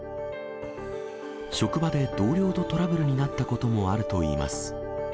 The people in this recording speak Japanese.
職場で同僚とトラブルになったこともあるといいます。